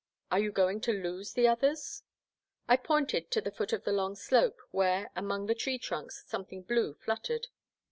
Are you going to lose the others ?*' I pointed to the foot of the long slope, where, among the tree trunks, something blue fluttered.